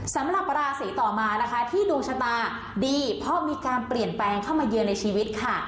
สำหรับราศีต่อมานะคะที่ดวงชะตาดีเพราะมีการเปลี่ยนแปลงเข้ามาเยือนในชีวิตค่ะ